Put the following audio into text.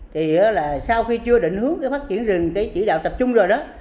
thì là sau khi chưa định hướng cái phát triển rừng cái chỉ đạo tập trung rồi đó